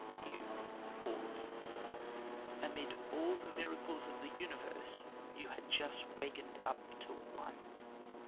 You ought. Amid all the miracles of the universe you had just wakened up to one.